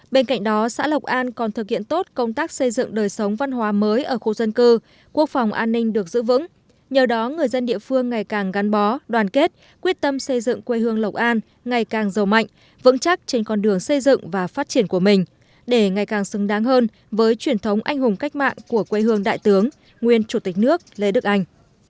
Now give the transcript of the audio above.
bên cạnh đó xã lộc an còn thực hiện tốt công tác xây dựng đời sống văn hóa mới ở khu dân cư quốc phòng an ninh được giữ vững nhờ đó người dân địa phương ngày càng gắn bó đoàn kết quyết tâm xây dựng quê hương lộc an ngày càng giàu mạnh vững chắc trên con đường xây dựng và phát triển của mình để ngày càng xứng đáng hơn với truyền thống anh hùng cách mạng của quê hương đại tướng nguyên chủ tịch nước lê đức anh